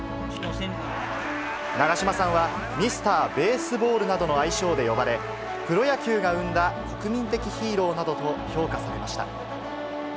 長嶋さんは、ミスター・ベースボールなどの愛称で呼ばれ、プロ野球が生んだ国民的ヒーローなどと評価されました。